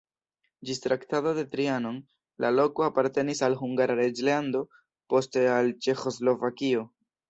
Ĝis Traktato de Trianon la loko apartenis al Hungara reĝlando, poste al Ĉeĥoslovakio.